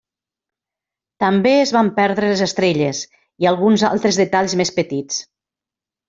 També es van perdre les estrelles i alguns altres detalls més petits.